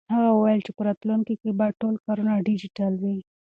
هغه وویل چې په راتلونکي کې به ټول کارونه ډیجیټل وي.